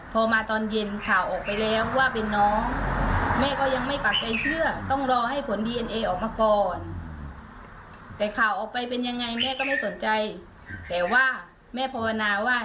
แต่ว่าแม่โภพนาว่า